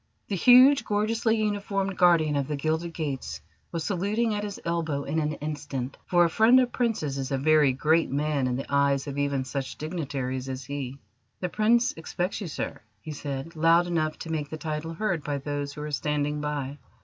The huge, gorgeously uniformed guardian of the Gilded Gates was saluting at his elbow in an instant, for a friend of Princes is a very great man in the eyes of even such dignitaries as he. "The Prince expects you, sir," he said, loud enough to make the title heard by those who were standing by.